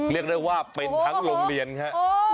เรียกได้ว่าเป็นทั้งโรงเรียนครับ